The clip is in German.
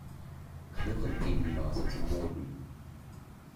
Klirrend ging die Vase zu Boden.